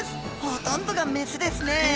ほとんどがメスですね。